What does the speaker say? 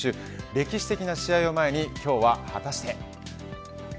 歴史的な試合を前に今日は果たして。